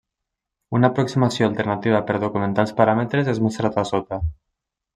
Una aproximació alternativa per documentar els paràmetres és mostrat a sota.